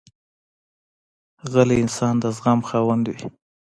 غلی انسان، د زغم خاوند وي.